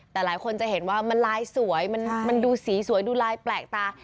แต่หลายคนจะเห็นว่ามันลายสวยมันดูสีสวยดูลายแปลกตา